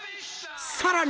［さらに］